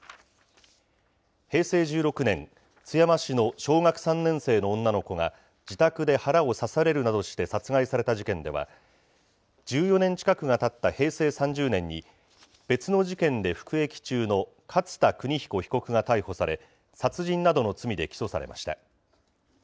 平成１６年、津山市の小学３年生の女の子が、自宅で腹を刺されるなどして殺害された事件では、１４年近くがたった平成３０年に、別の事件で服役中の勝田州彦被告が逮捕され、殺人などの罪で起訴されました。